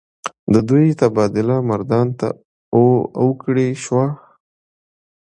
د دوي تبادله مردان ته اوکړے شوه ۔